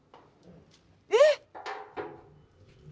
えっ！？